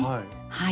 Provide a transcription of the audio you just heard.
はい。